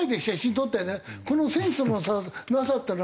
このセンスのなさったら。